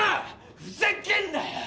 ふざけんなよ。